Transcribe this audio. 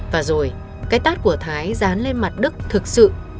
và rồi cái tát của thái dán lên mặt đức thực sự